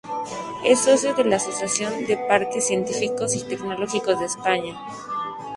Es socio de la Asociación de Parques Científicos y Tecnológicos de España.